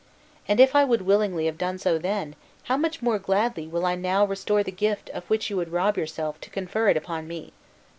And if I would willingly have done so then, how much more gladly will I now restore the gift of which you would rob yourself to confer it upon me.